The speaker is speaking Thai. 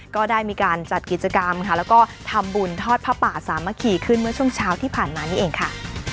ก็ได้มีการจัดกิจกรรมค่ะแล้วก็ทำบุญทอดผ้าป่าสามัคคีขึ้นเมื่อช่วงเช้าที่ผ่านมานี่เองค่ะ